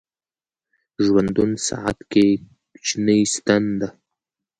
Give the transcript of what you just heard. ژوندون ساعت کې کوچنۍ ستن ده